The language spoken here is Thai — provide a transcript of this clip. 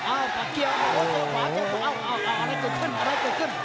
อ้าวปากเกี่ยวปากเกี่ยวอ้าวอ้าวอะไรเกิดขึ้นอะไรเกิดขึ้น